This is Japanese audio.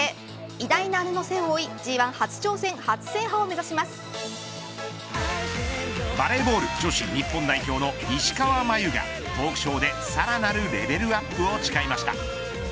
偉大な姉の背を追いＧ１初挑戦バレーボール女子日本代表の石川真佑がトークショーで、さらなるレベルアップを誓いました。